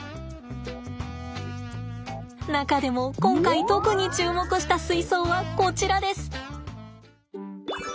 中でも今回特に注目した水槽はこちらです。